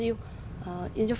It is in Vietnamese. thì tôi nghĩ là